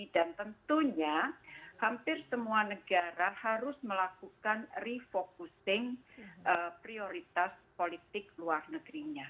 dan tentunya hampir semua negara harus melakukan refocusing prioritas politik luar negerinya